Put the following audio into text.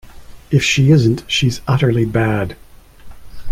If she isn’t she’s utterly bad.